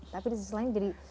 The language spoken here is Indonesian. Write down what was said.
tapi di sisi lain jadi